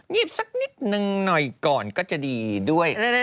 ีบสักนิดนึงหน่อยก่อนก็จะดีด้วย